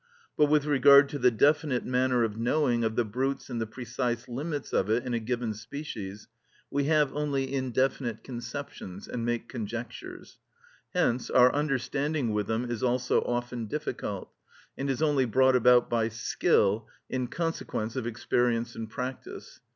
But with regard to the definite manner of knowing of the brutes and the precise limits of it in a given species, we have only indefinite conceptions, and make conjectures. Hence our understanding with them is also often difficult, and is only brought about by skill, in consequence of experience and practice.